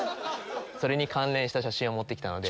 それに関連した写真を持って来たので。